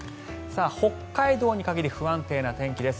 北海道に限り不安定な天気です。